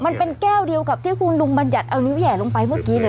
มันเป็นแก้วเดียวกับที่คุณลุงบัญญัติเอานิ้วแห่ลงไปเมื่อกี้เนี่ย